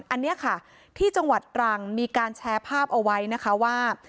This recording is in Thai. อันนี้ค่ะที่จังหวัดตรังมีการแชร์ภาพเอาไว้นะคะว่า